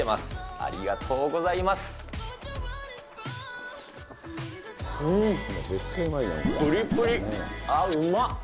あっ、うまっ。